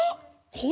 これ？